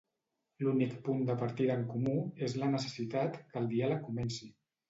L'únic punt de partida en comú és la necessitat que el diàleg comenci.